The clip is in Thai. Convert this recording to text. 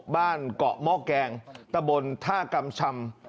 บ้านเกาะหม้อแกงตะบนท่ากำชำ